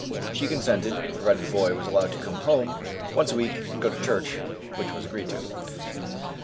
She consented, provided the boy was allowed to come home once a week and go to church, which was agreed to.